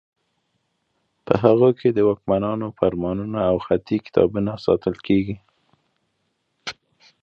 په هغو کې د واکمنانو فرمانونه او خطي کتابونه ساتل کیږي.